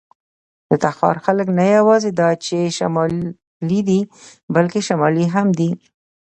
د تخار خلک نه یواځې دا چې شمالي دي، بلکې شمالي هم دي.